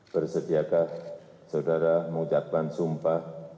bersediakah saudara mengucapkan sumpah